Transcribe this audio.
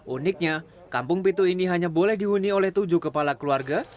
uniknya kampung pitu ini hanya boleh dihuni oleh tujuh kepala keluarga